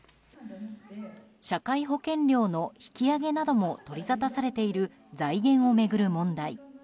社会保険料の引き上げなども取りざたされている財源を巡る問題。